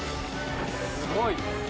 すごい！